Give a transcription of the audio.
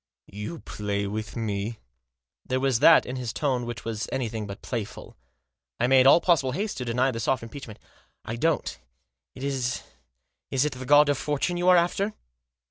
" You play with me ?" There was that in his tone which was anything but playful. I made all possible haste to deny the soft impeachment. " I don't. Is it the God of Fortune you are after?"